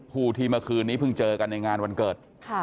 ผู้ที่เมื่อคืนนี้เพิ่งเจอกันในงานวันเกิด